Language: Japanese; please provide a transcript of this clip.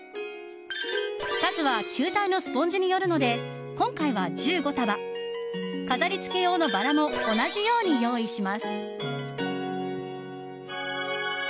数は球体のスポンジによるので今回は１５束飾り付け用のバラも同じように用意します。